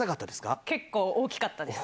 結構大きかったです。